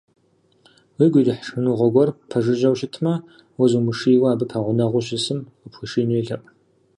Уигу ирихь шхыныгъуэ гуэр ппэжыжьэу щытмэ, уэ зумышийуэ, абы пэгъунэгъуу щысым къыпхуишиину елъэӏу.